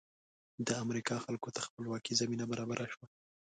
د امریکا خلکو ته خپلواکۍ زمینه برابره شوه.